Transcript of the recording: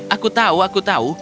aku tahu aku tahu